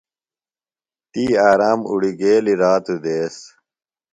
تی آرام اُڑگیلیۡ رات دیس